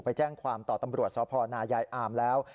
ไปแจ้งความต่อตำรวจสพนายายอามแล้ว